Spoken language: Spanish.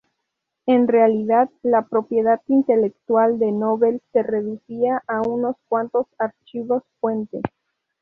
En realidad, la propiedad intelectual de Novell se reducía a unos cuantos archivos fuente.